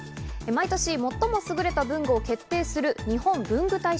毎年最もすぐれた文具を決定する日本文具大賞。